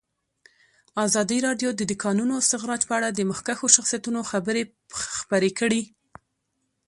ازادي راډیو د د کانونو استخراج په اړه د مخکښو شخصیتونو خبرې خپرې کړي.